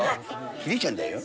ヒデちゃんだよ。